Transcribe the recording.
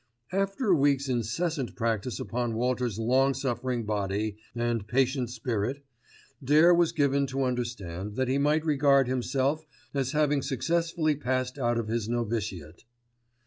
After a week's incessant practice upon Walters' long suffering body and patient spirit, Dare was given to understand that he might regard himself as having successfully passed out of his noviciate.